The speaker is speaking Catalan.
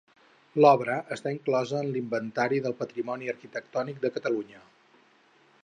L'obra està inclosa en l'Inventari del Patrimoni Arquitectònic de Catalunya.